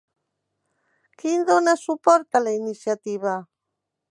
Qui dona suport a la iniciativa?